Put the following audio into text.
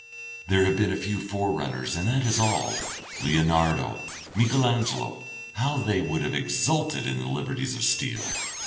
There have been a few forerunners and that is all. Leonardo, Michael Angelo; how they would have exulted in the liberties of steel!